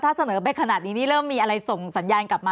ถ้าเสนอไปขนาดนี้นี่เริ่มมีอะไรส่งสัญญาณกลับมา